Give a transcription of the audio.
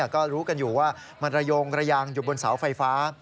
ก็รู้กันอยู่ว่ามันระโยงระยางอยู่บนเสาไฟฟ้า